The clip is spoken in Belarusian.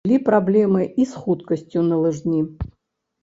Былі праблемы і з хуткасцю на лыжні.